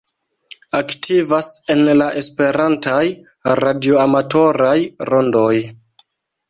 Aktivas en la esperantaj radioamatoraj rondoj.